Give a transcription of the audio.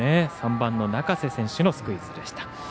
３番の中瀬選手のスクイズでした。